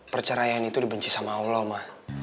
perceraian itu dibenci sama allah mah